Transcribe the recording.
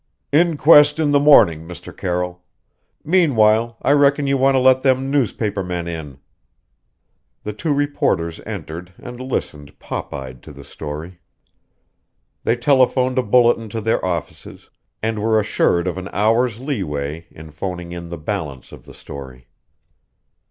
"Inquest in the morning, Mr. Carroll. Meanwhile, I reckon you want to let them newspapermen in." The two reporters entered and listened popeyed to the story. They telephoned a bulletin to their offices, and were assured of an hour's leeway in phoning in the balance of the story.